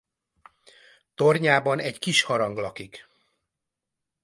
Tornyában egy kis harang lakik.